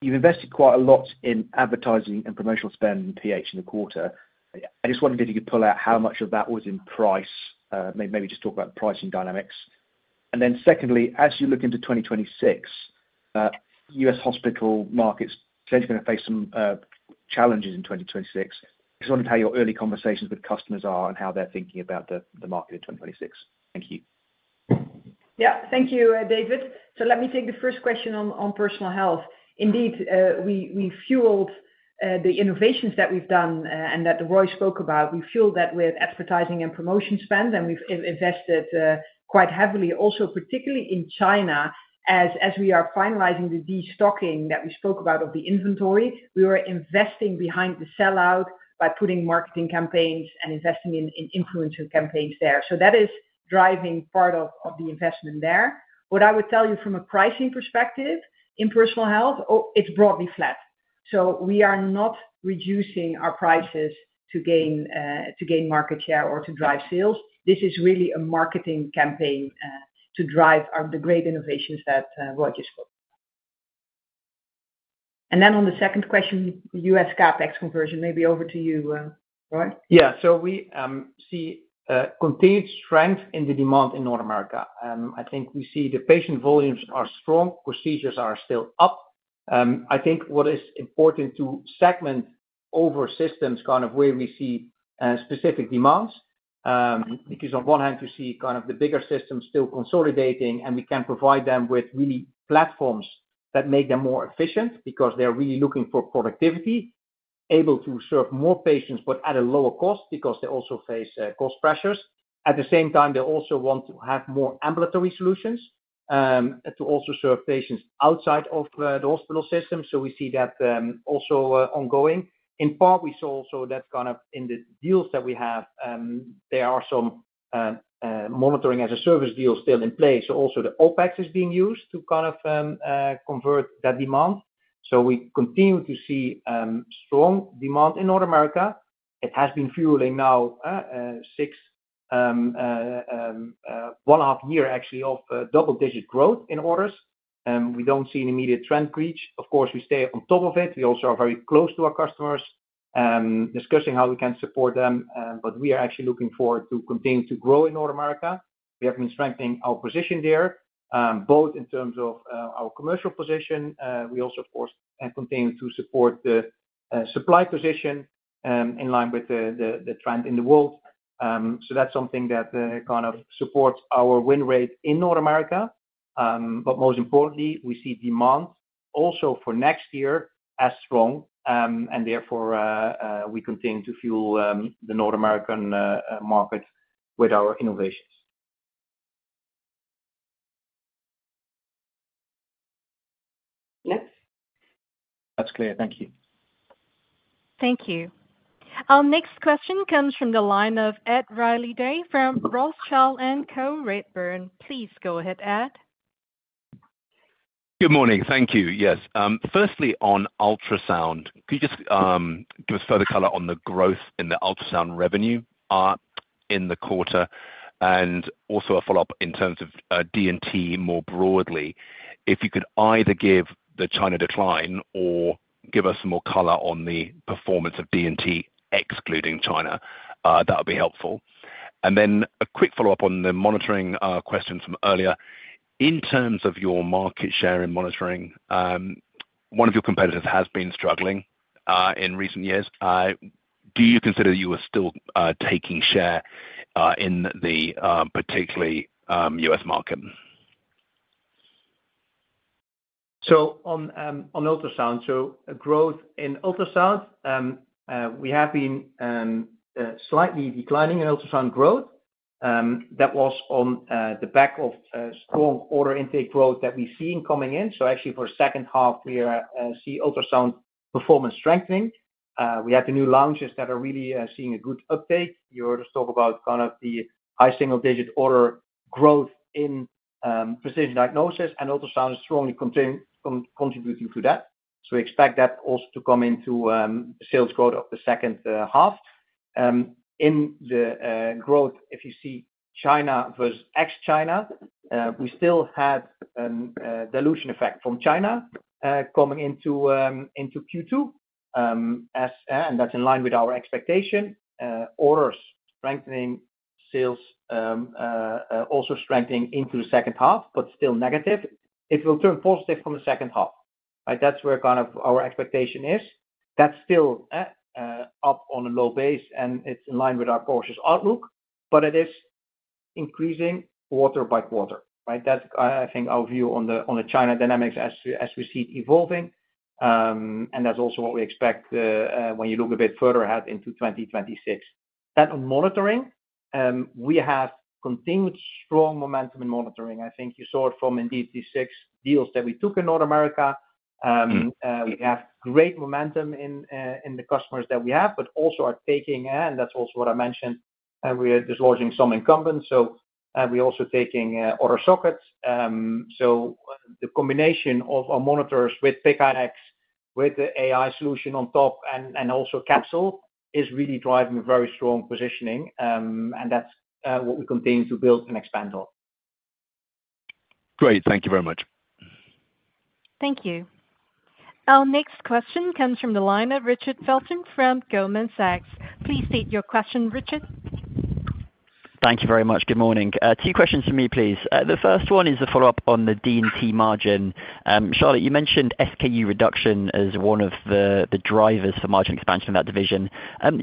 You've invested quite a lot in advertising and promotional spend in pH in the quarter. I just wondered if you could pull out how much of that was in price, maybe just talk about pricing dynamics. And then secondly, as you look into 2026. US hospital markets potentially going to face some challenges in 2026. I just wanted to have your early conversations with customers and how they're thinking about the market in 2026. Thank you. Yep. Thank you, David. So let me take the first question on personal health. Indeed, we fueled the innovations that we've done and that Roy spoke about. We fueled that with advertising and promotion spend, and we've invested quite heavily also, particularly in China, as we are finalizing the destocking that we spoke about of the inventory. We were investing behind the sellout by putting marketing campaigns and investing in influencer campaigns there. That is driving part of the investment there. What I would tell you from a pricing perspective in personal health, it's broadly flat. We are not reducing our prices to gain market share or to drive sales. This is really a marketing campaign to drive the great innovations that Roy just spoke about. On the second question, US CapEx conversion, maybe over to you, Roy. Yeah. We see continued strength in the demand in North America. I think we see the patient volumes are strong. Procedures are still up. I think what is important to segment over systems kind of where we see specific demands. Because on one hand, you see kind of the bigger systems still consolidating, and we can provide them with really platforms that make them more efficient because they're really looking for productivity, able to serve more patients, but at a lower cost because they also face cost pressures. At the same time, they also want to have more ambulatory solutions to also serve patients outside of the hospital system. We see that also ongoing. In part, we saw also that kind of in the deals that we have, there are some monitoring as a service deal still in place. Also the OpEx is being used to kind of convert that demand. We continue to see strong demand in North America. It has been fueling now six and one-half years actually of double-digit growth in orders. We do not see an immediate trend breach. Of course, we stay on top of it. We also are very close to our customers, discussing how we can support them. We are actually looking forward to continue to grow in North America. We have been strengthening our position there, both in terms of our commercial position. We also, of course, continue to support the supply position in line with the trend in the world. That is something that kind of supports our win rate in North America. Most importantly, we see demand also for next year as strong. Therefore, we continue to fuel the North American market with our innovations. Yep. That's clear. Thank you. Thank you. Our next question comes from the line of Ed Riley Day from Rothschild & Co Redburn. Please go ahead, Ed. Good morning. Thank you. Yes. Firstly, on ultrasound, could you just give us further color on the growth in the ultrasound revenue in the quarter? And also a follow-up in terms of D&T more broadly. If you could either give the China decline or give us more color on the performance of D&T excluding China, that would be helpful. And then a quick follow-up on the monitoring question from earlier. In terms of your market share in monitoring, one of your competitors has been struggling in recent years. Do you consider that you are still taking share in the particularly US market? So on ultrasound, growth in ultrasound. We have been slightly declining in ultrasound growth. That was on the back of strong order intake growth that we're seeing coming in. Actually, for the second half, we see ultrasound performance strengthening. We had the new launches that are really seeing a good uptake. You heard us talk about kind of the high single-digit order growth in Precision Diagnosis, and ultrasound is strongly contributing to that. We expect that also to come into sales growth of the second half. In the growth, if you see China versus ex-China, we still had a dilution effect from China coming into Q2. That's in line with our expectation. Orders strengthening, sales also strengthening into the second half, but still negative. It will turn positive from the second half. That's where our expectation is. That's still up on a low base, and it's in line with our cautious outlook. It is increasing quarter by quarter. That's, I think, our view on the China dynamics as we see it evolving. That's also what we expect when you look a bit further ahead into 2026. That monitoring, we have continued strong momentum in monitoring. I think you saw it from the six deals that we took in North America. We have great momentum in the customers that we have, but also are taking, and that's also what I mentioned, we're dislodging some incumbents. We're also taking order sockets. The combination of our monitors with Pick IX, with the AI solution on top, and also Capsule is really driving a very strong positioning. That's what we continue to build and expand on. Great. Thank you very much. Thank you. Our next question comes from the line of Richard Felton from Goldman Sachs. Please state your question, Richard. Thank you very much. Good morning. Two questions for me, please. The first one is a follow-up on the D&T margin. Charlotte, you mentioned SKU reduction as one of the drivers for margin expansion in that division.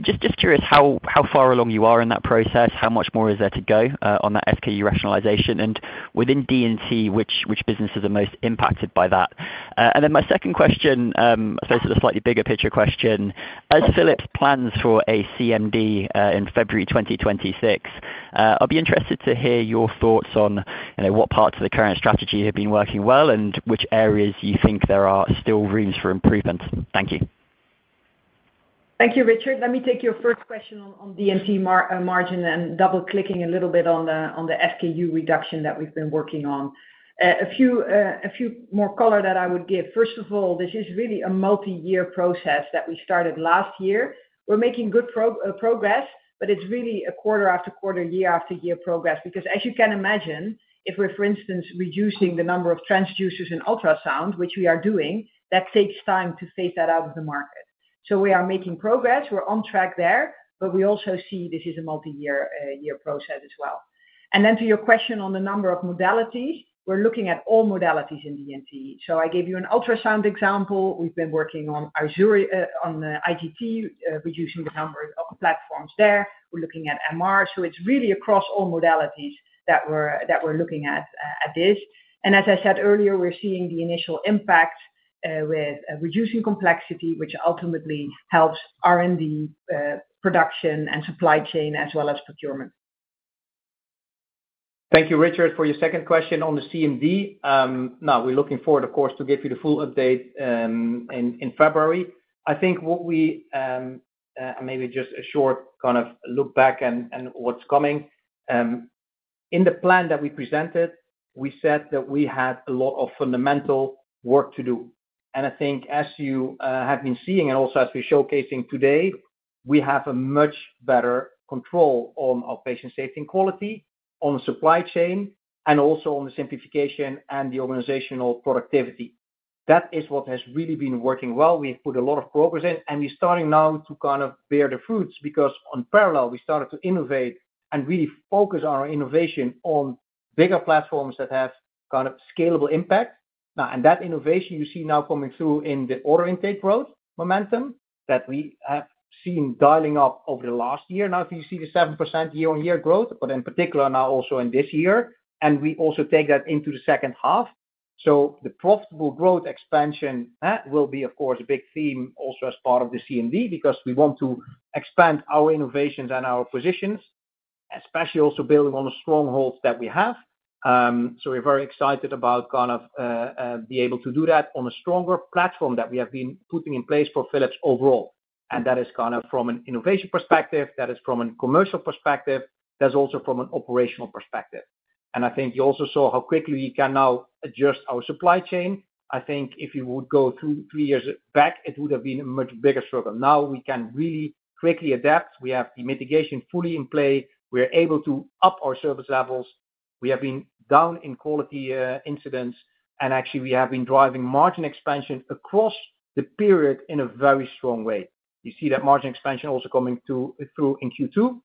Just curious how far along you are in that process, how much more is there to go on that SKU rationalization, and within D&T, which businesses are most impacted by that? And then my second question, I suppose it's a slightly bigger picture question. As Philips plans for a CMD in February 2026, I'd be interested to hear your thoughts on what parts of the current strategy have been working well and which areas you think there are still rooms for improvement. Thank you. Thank you, Richard. Let me take your first question on D&T margin and double-clicking a little bit on the SKU reduction that we've been working on. A few more color that I would give. First of all, this is really a multi-year process that we started last year. We're making good progress, but it's really a quarter after quarter, year after year progress. Because as you can imagine, if we're, for instance, reducing the number of transducers in ultrasound, which we are doing, that takes time to phase that out of the market. We are making progress. We're on track there, but we also see this is a multi-year process as well. To your question on the number of modalities, we're looking at all modalities in D&T. I gave you an ultrasound example. We've been working on IGT, reducing the number of platforms there. We're looking at MR. It's really across all modalities that we're looking at this. As I said earlier, we're seeing the initial impact with reducing complexity, which ultimately helps R&D, production, and supply chain as well as procurement. Thank you, Richard, for your second question on the CMD. We're looking forward, of course, to give you the full update in February. I think what we, maybe just a short kind of look back and what's coming. In the plan that we presented, we said that we had a lot of fundamental work to do. I think as you have been seeing and also as we're showcasing today, we have a much better control on our patient safety and quality, on supply chain, and also on the simplification and the organizational productivity. That is what has really been working well. We've put a lot of progress in, and we're starting now to kind of bear the fruits because in parallel, we started to innovate and really focus our innovation on bigger platforms that have kind of scalable impact. That innovation you see now coming through in the order intake growth momentum that we have seen dialing up over the last year. Now, if you see the 7% year-on-year growth, but in particular now also in this year, and we also take that into the second half. The profitable growth expansion will be, of course, a big theme also as part of the CMD because we want to expand our innovations and our positions, especially also building on the strongholds that we have. We're very excited about kind of being able to do that on a stronger platform that we have been putting in place for Philips overall. That is from an innovation perspective. That is from a commercial perspective. That's also from an operational perspective. I think you also saw how quickly we can now adjust our supply chain. I think if you would go three years back, it would have been a much bigger struggle. Now we can really quickly adapt. We have the mitigation fully in play. We're able to up our service levels. We have been down in quality incidents. Actually, we have been driving margin expansion across the period in a very strong way. You see that margin expansion also coming through in Q2.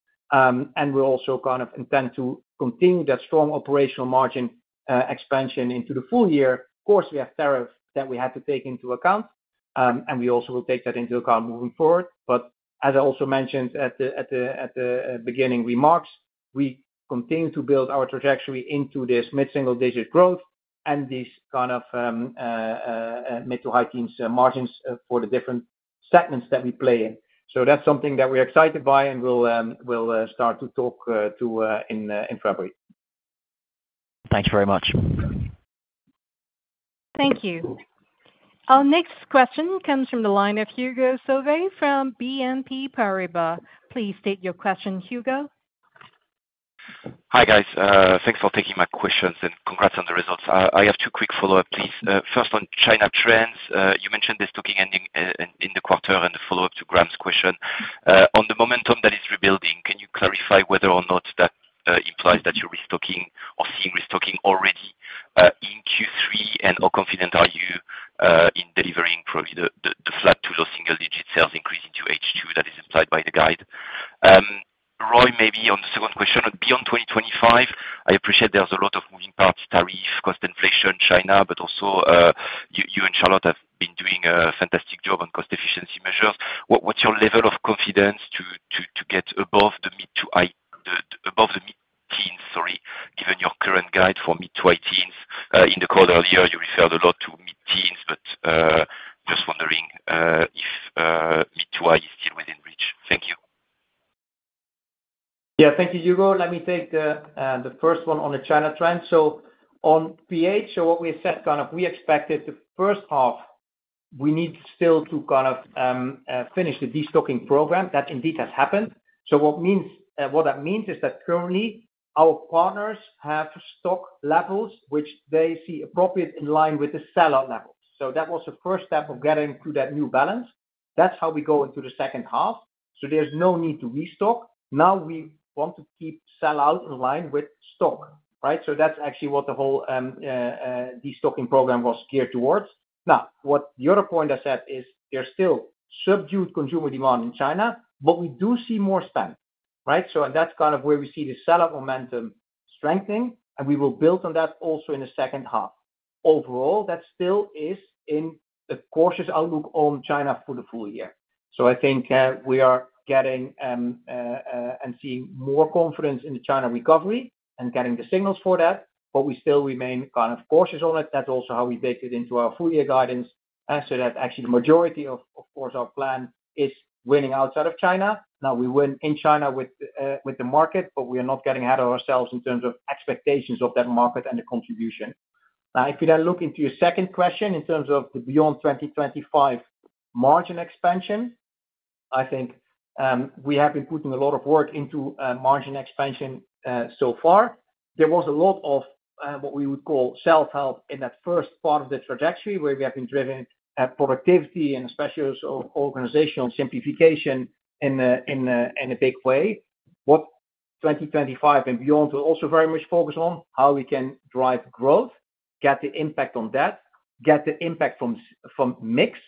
We also kind of intend to continue that strong operational margin expansion into the full year. Of course, we have tariffs that we have to take into account. We also will take that into account moving forward. As I also mentioned at the beginning remarks, we continue to build our trajectory into this mid-single-digit growth and these kind of mid-to-high-teens margins for the different segments that we play in. That's something that we're excited by and we'll start to talk to in February. Thank you very much. Thank you. Our next question comes from the line of Hugo Solvet from BNP Paribas. Please state your question, Hugo. Hi, guys. Thanks for taking my questions and congrats on the results. I have two quick follow-ups, please. First, on China trends, you mentioned restocking in the quarter and the follow-up to Graham's question. On the momentum that is rebuilding, can you clarify whether or not that implies that you're restocking or seeing restocking already in Q3? How confident are you in delivering probably the flat to low single-digit sales increase into H2 that is implied by the guide? Roy, maybe on the second question, beyond 2025, I appreciate there's a lot of moving parts: tariff, cost inflation, China, but also you and Charlotte have been doing a fantastic job on cost efficiency measures. What's your level of confidence to get above the mid-to-high, above the mid-teens, sorry, given your current guide for mid-to-high teens? In the quarter earlier, you referred a lot to mid-teens, but just wondering if mid-to-high is still within reach. Thank you. Yeah, thank you, Hugo. Let me take the first one on the China trend. On PH, what we said, kind of we expected the first half, we need still to kind of finish the destocking program. That indeed has happened. What that means is that currently, our partners have stock levels which they see appropriate in line with the sellout levels. That was the first step of getting to that new balance. That's how we go into the second half. There's no need to restock. Now we want to keep sellout in line with stock, right? That is actually what the whole destocking program was geared towards. The other point I said is there is still subdued consumer demand in China, but we do see more spend, right? That is kind of where we see the sellout momentum strengthening, and we will build on that also in the second half. Overall, that still is a cautious outlook on China for the full year. I think we are getting and seeing more confidence in the China recovery and getting the signals for that, but we still remain kind of cautious on it. That is also how we baked it into our full-year guidance. That actually the majority of, of course, our plan is winning outside of China. We win in China with the market, but we are not getting ahead of ourselves in terms of expectations of that market and the contribution. If you then look into your second question in terms of the beyond 2025 margin expansion, I think we have been putting a lot of work into margin expansion so far. There was a lot of what we would call self-help in that first part of the trajectory where we have been driven at productivity and especially organizational simplification in a big way. What 2025 and beyond will also very much focus on is how we can drive growth, get the impact on that, get the impact from mix,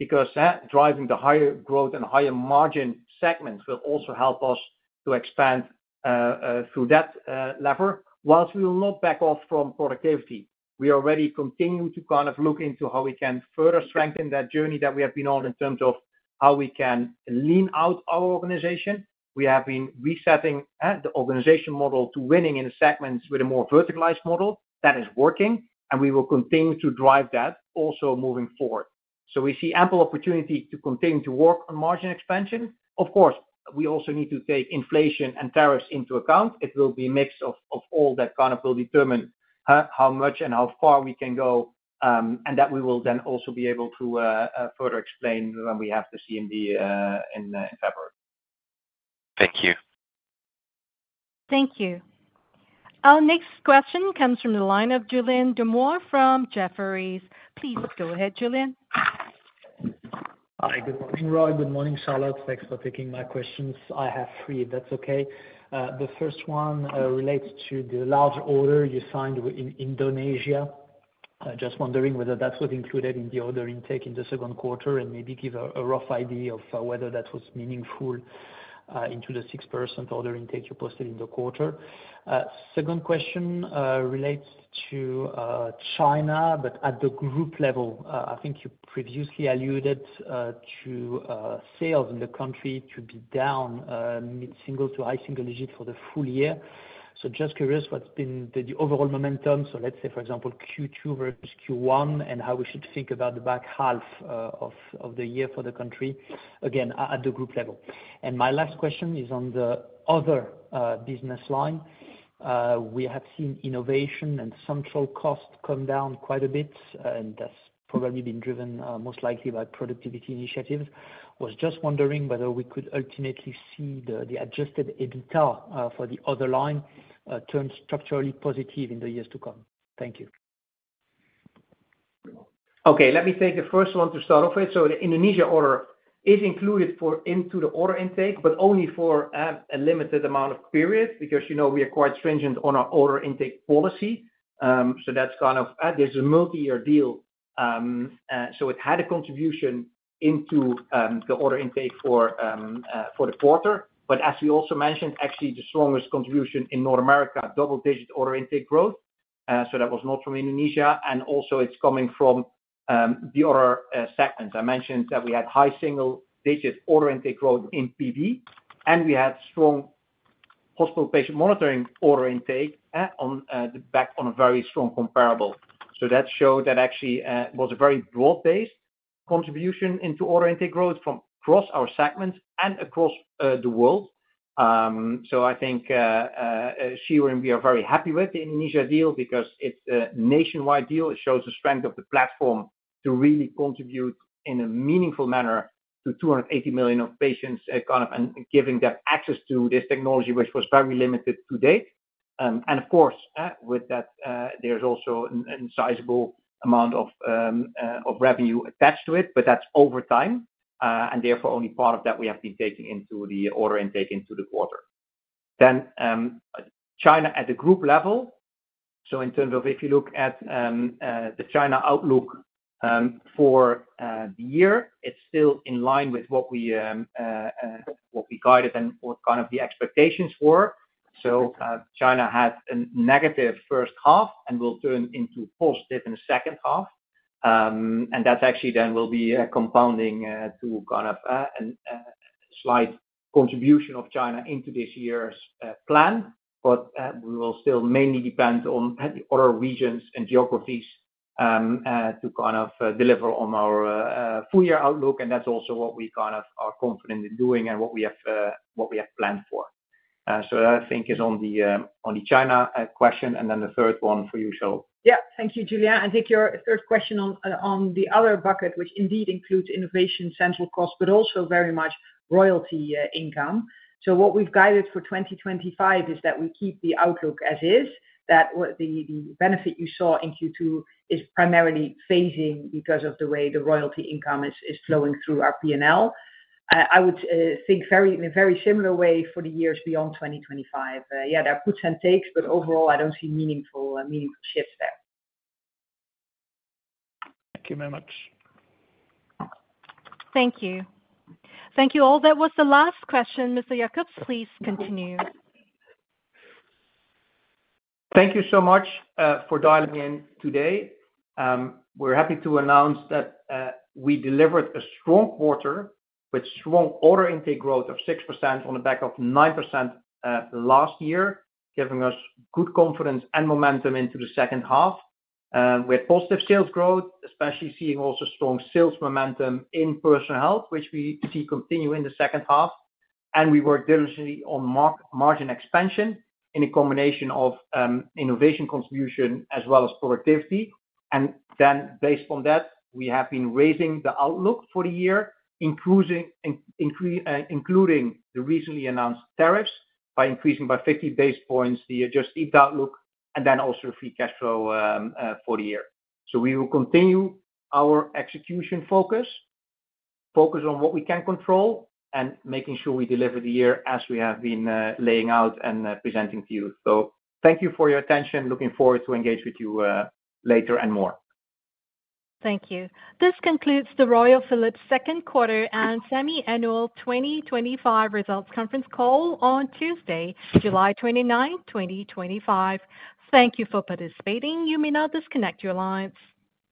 because driving the higher growth and higher margin segments will also help us to expand through that lever. Whilst we will not back off from productivity, we already continue to kind of look into how we can further strengthen that journey that we have been on in terms of how we can lean out our organization. We have been resetting the organization model to winning in segments with a more verticalized model. That is working, and we will continue to drive that also moving forward. We see ample opportunity to continue to work on margin expansion. Of course, we also need to take inflation and tariffs into account. It will be a mix of all that kind of will determine how much and how far we can go, and that we will then also be able to further explain when we have the CMD in February. Thank you. Thank you. Our next question comes from the line of Julien Dumoulin from Jefferies. Please go ahead, Julien. Hi, good morning, Roy. Good morning, Charlotte. Thanks for taking my questions. I have three, if that is okay. The first one relates to the large order you signed in Indonesia. Just wondering whether that was included in the order intake in the second quarter and maybe give a rough idea of whether that was meaningful into the six-person order intake you posted in the quarter. Second question relates to China, but at the group level. I think you previously alluded to. Sales in the country to be down mid-single to high single-digit for the full year. Just curious what's been the overall momentum. Let's say, for example, Q2 versus Q1 and how we should think about the back half of the year for the country, again, at the group level. My last question is on the other business line. We have seen innovation and central cost come down quite a bit, and that's probably been driven most likely by productivity initiatives. I was just wondering whether we could ultimately see the adjusted EBITDA for the other line turn structurally positive in the years to come. Thank you. Okay, let me take the first one to start off with. The Indonesia order is included into the order intake, but only for a limited amount of period because we are quite stringent on our order intake policy. That's kind of there's a multi-year deal, so it had a contribution into the order intake for the quarter, but as we also mentioned, actually the strongest contribution in North America, double-digit order intake growth. That was not from Indonesia. Also, it's coming from the other segments. I mentioned that we had high single-digit order intake growth in PD, and we had strong hospital patient monitoring order intake back on a very strong comparable. That showed that actually it was a very broad-based contribution into order intake growth from across our segments and across the world. I think, Sheeran, we are very happy with the Indonesia deal because it's a nationwide deal. It shows the strength of the platform to really contribute in a meaningful manner to 280 million patients and giving them access to this technology, which was very limited to date. Of course, with that, there's also an insizable amount of revenue attached to it, but that's over time. Therefore, only part of that we have been taking into the order intake into the quarter. China at the group level. In terms of if you look at the China outlook for the year, it's still in line with what we guided and what kind of the expectations were. China had a negative first half and will turn into positive in the second half. That actually then will be compounding to a slight contribution of China into this year's plan. We will still mainly depend on other regions and geographies to deliver on our full-year outlook. That's also what we are confident in doing and what we have planned for. That, I think, is on the China question. The third one for you, Charlotte. Yeah, thank you, Julien. I think your third question on the other bucket, which indeed includes innovation, central cost, but also very much royalty income. What we've guided for 2025 is that we keep the outlook as is. That the benefit you saw in Q2 is primarily phasing because of the way the royalty income is flowing through our P&L. I would think in a very similar way for the years beyond 2025. Yeah, there are puts and takes, but overall, I don't see meaningful shifts there. Thank you very much. Thank you. Thank you all. That was the last question. Mr. Jakobs, please continue. Thank you so much for dialing in today. We're happy to announce that we delivered a strong quarter with strong order intake growth of 6% on the back of 9% last year, giving us good confidence and momentum into the second half. We had positive sales growth, especially seeing also strong sales momentum in Personal Health, which we see continue in the second half. We worked diligently on margin expansion in a combination of innovation contribution as well as productivity. Based on that, we have been raising the outlook for the year, including the recently announced tariffs by increasing by 50 basis points the adjusted EBITDA outlook, and then also the free cash flow for the year. We will continue our execution focus, focus on what we can control, and making sure we deliver the year as we have been laying out and presenting to you. Thank you for your attention. Looking forward to engage with you later and more. Thank you. This concludes the Royal Philips second quarter and semi-annual 2025 results conference call on Tuesday, July 29, 2025. Thank you for participating. You may now disconnect your lines.